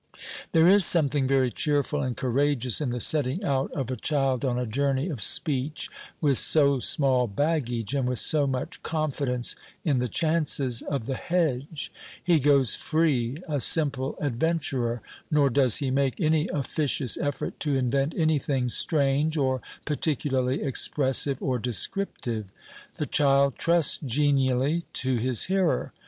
There is something very cheerful and courageous in the setting out of a child on a journey of speech with so small baggage and with so much confidence in the chances of the hedge. He goes free, a simple adventurer. Nor does he make any officious effort to invent anything strange or particularly expressive or descriptive. The child trusts genially to his hearer.